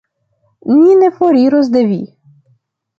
Ni ne foriros de Vi.